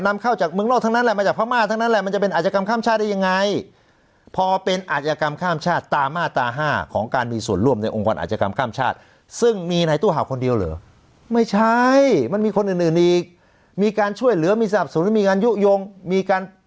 นำเข้าจากเมืองโลกทั้งนั้นแหละมาจากภาคมาศทั้งนั้นแหละมันจะเป็นอาจยากรข้ามชาติได้ยังไง